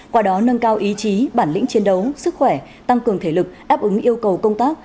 qua đó nâng cao ý chí bản lĩnh chiến đấu sức khỏe tăng cường thể lực đáp ứng yêu cầu công tác